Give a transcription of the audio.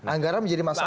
anggaran menjadi masalah